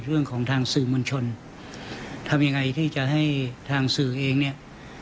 เรื่องของทางสื่อมวลชนทำยังไงที่จะให้ทางสื่อเองเนี่ย